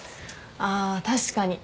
あ確かに。